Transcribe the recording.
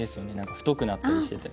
太くなったりしてて。